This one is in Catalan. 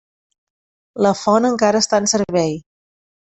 La font encara està en servei.